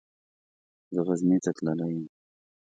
زه غزني ته تللی يم.